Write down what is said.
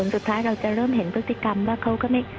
สุดท้ายเราจะเริ่มเห็นพฤติกรรมว่าเขาก็ไม่